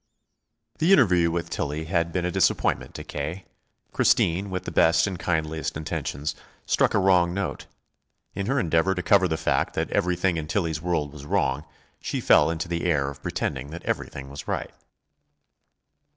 The interview with Tillie had been a disappointment to K. Christine, with the best and kindliest intentions, struck a wrong note. In her endeavor to cover the fact that everything in Tillie's world was wrong, she fell into the error of pretending that everything was right.